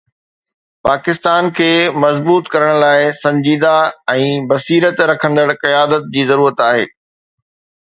پاڪستان کي مضبوط ڪرڻ لاءِ سنجيده ۽ بصيرت رکندڙ قيادت جي ضرورت آهي.